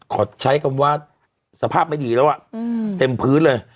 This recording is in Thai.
ขอใช้คำว่าสภาพไม่ดีแล้วเต็มพื้นเลย